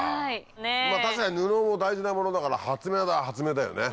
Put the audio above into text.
確かに布も大事なものだから発明は発明だよね。